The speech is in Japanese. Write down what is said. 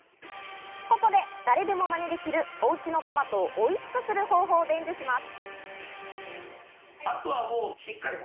誰でもまねできる、おうちのトマトをおいしくする方法を伝授します。